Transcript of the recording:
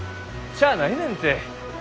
しゃあないねんて。